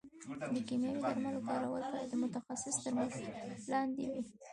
د کيمياوي درملو کارول باید د متخصص تر مشورې لاندې وي.